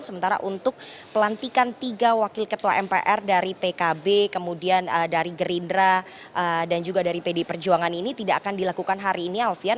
sementara untuk pelantikan tiga wakil ketua mpr dari pkb kemudian dari gerindra dan juga dari pd perjuangan ini tidak akan dilakukan hari ini alfian